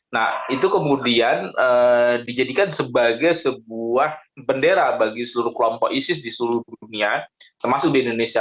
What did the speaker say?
nah itu kemudian dijadikan sebagai sebuah bendera bagi seluruh kelompok isis di seluruh dunia termasuk di indonesia